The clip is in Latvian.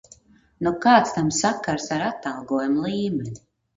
Nu kāds tam sakars ar atalgojuma līmeni!